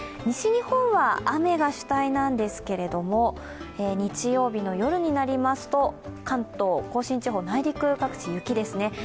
西日本は雨が主体なんですけれども、日曜日の夜になりますと関東甲信地方、内陸は各地雪ですね。